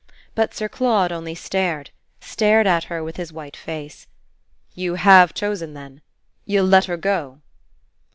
But Sir Claude only stared stared at her with his white face. "You HAVE chosen then? You'll let her go?"